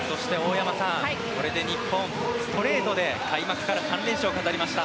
これでストレートで開幕から３連勝を飾りました。